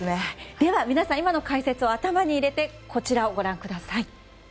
では皆さん、今の解説を頭に入れてこちらをご覧ください。